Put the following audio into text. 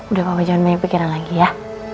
udah gak jangan banyak pikiran lagi ya